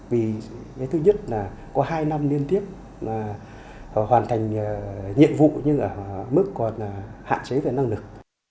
vì thứ nhất là có hai năm liên tiếp hoàn thành nhiệm vụ nhưng ở mức còn hạn chế về năng lực